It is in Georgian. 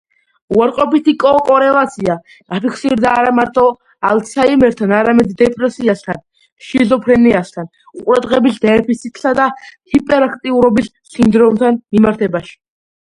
უარყოფითი კორელაცია დაფიქსირდა არამარტო ალცჰაიმერთან, არამედ დეპრესიასთან, შიზოფრენიასთან, ყურადღების დეფიციტსა და ჰიპერაქტიურობის სინდრომთან მიმართებაში.